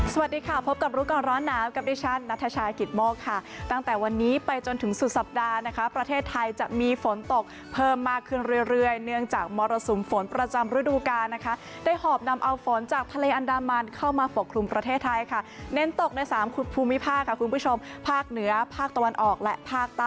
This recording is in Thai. สวัสดีค่ะพบกับรู้ก่อนร้อนหนาวกับดิฉันนัทชายกิตโมกค่ะตั้งแต่วันนี้ไปจนถึงสุดสัปดาห์นะคะประเทศไทยจะมีฝนตกเพิ่มมากขึ้นเรื่อยเรื่อยเนื่องจากมรสุมฝนประจำฤดูกานะคะได้หอบนำเอาฝนจากทะเลอันดามันเข้ามาปกครุมประเทศไทยค่ะเน้นตกในสามภูมิภาคค่ะคุณผู้ชมภาคเหนือภาคตะวันออกและภาคใต้